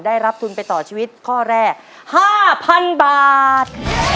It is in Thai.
ได้รับทุนไปต่อชีวิตข้อแรก๕๐๐๐บาท